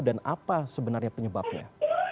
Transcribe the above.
dan apa sebenarnya penyebabnya